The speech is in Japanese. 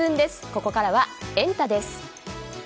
ここからはエンタ！です。